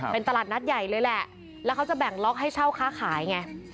เป็นตลาดนัดใหญ่เลยแหละแล้วเขาจะแบ่งล็อกให้เช่าค้าขายไง